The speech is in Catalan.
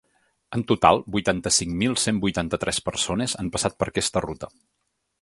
En total, vuitanta-cinc mil cent vuitanta-tres persones han passat per aquesta ruta.